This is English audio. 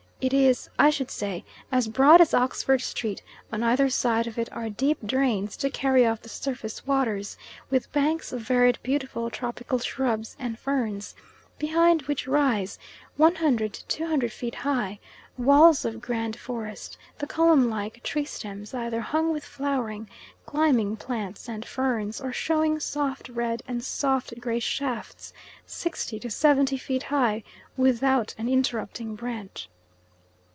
It is, I should say, as broad as Oxford Street; on either side of it are deep drains to carry off the surface waters, with banks of varied beautiful tropical shrubs and ferns, behind which rise, 100 to 200 feet high, walls of grand forest, the column like tree stems either hung with flowering, climbing plants and ferns, or showing soft red and soft grey shafts sixty to seventy feet high without an interrupting branch.